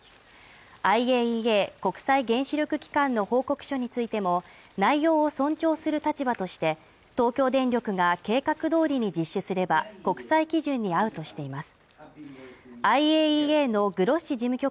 ＩＡＥＡ＝国際原子力機関の報告書についても内容を尊重する立場として、東京電力が計画通りに実施すれば国際基準に合うとしています。